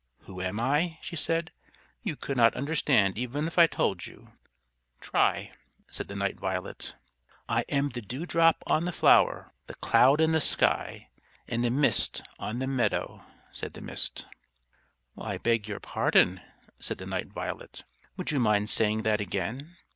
"Who am I?" she said. "You could not understand even if I told you." "Try," said the Night Violet. "I am the dewdrop on the flower, the cloud in the sky, and the mist on the meadow," said the Mist. "I beg your pardon," said the Night Violet. "Would you mind saying that again?